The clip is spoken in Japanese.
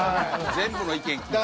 全部の意見聞いて。